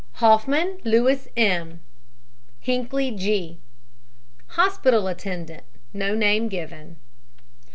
HOFFMAN, LOUIS M. HINCKLEY, G. Hospital Attendant, no name given.